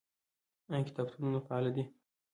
آیا کتابتونونه فعال دي؟